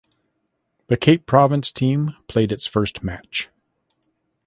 The Cape Province team played its first match.